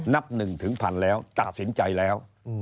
นับหนึ่งถึงผ่านแล้วตัดสินใจแล้ว